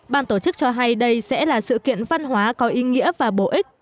ban tổ chức cho hay đây sẽ là sự kiện văn hóa có ý nghĩa và bổ ích